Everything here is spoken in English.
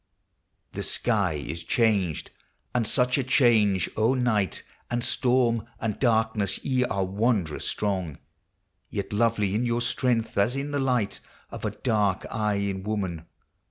The sky is changed! — and such a change! O night, And storm, and darkness, ye are wondrous strong, Yet lovely in your strength, as is the light Of a dark eye in woman